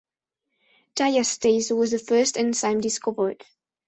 Diastase was the first enzyme discovered.